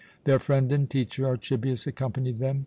Their friend and teacher, Archibius, accompanied them.